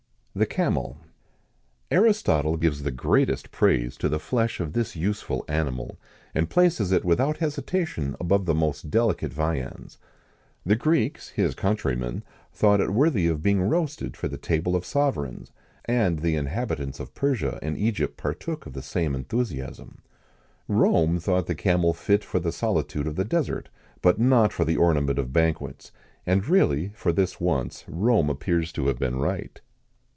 THE CAMEL. Aristotle gives the greatest praise to the flesh of this useful animal, and places it without hesitation above the most delicate viands.[XIX 112] The Greeks, his countrymen, thought it worthy of being roasted for the table of sovereigns,[XIX 113] and the inhabitants of Persia and Egypt partook of the same enthusiasm. Rome thought the camel fit for the solitude of the Desert, but not for the ornament of banquets; and really, for this once, Rome appears to have been right.